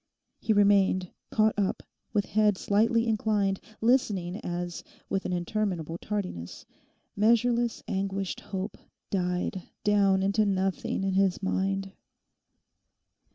He remained, caught up, with head slightly inclined, listening, as, with an interminable tardiness, measureless anguished hope died down into nothing in his mind.